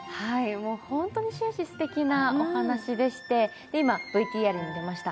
本当に終始すてきなおはなしでして、今ＶＴＲに出ました